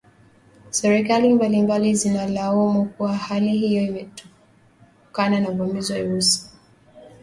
Serikali mbalimbali zinalaumu kuwa hali hiyo imetokana na uvamizi wa Urusi nchini Ukraine mwishoni mwa Februari.